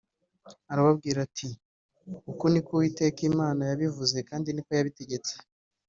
arababwira ati” Uku ni ko Uwiteka Imana yabivuze kandi niko yabitegetse”